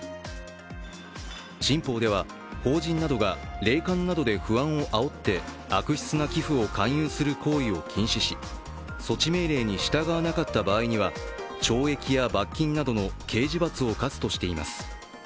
新法では、法人などが霊感などで不安をあおって悪質な寄付を勧誘する行為を禁止し措置命令に従わなかった場合には懲役や罰金などの刑事罰を科すとしています。